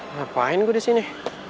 ngapain gue disini